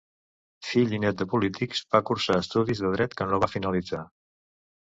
Fill i nét de polítics, va cursar estudis de Dret que no va finalitzar.